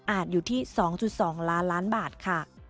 อยู่ที่๒๒ล้านล้านบาทค่ะ